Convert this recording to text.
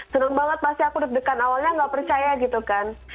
senang banget pasti aku deg degan awalnya nggak percaya gitu kan